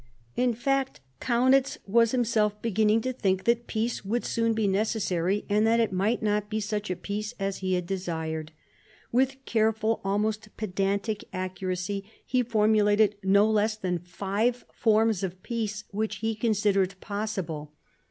In fact Kaunitz was himself beginning to think that peace would soon be necessary, and that it might not be such a peace as he had desired. With careful, almost pedantic accuracy, he formulated no less than ^ve forms of peace which he considered possible.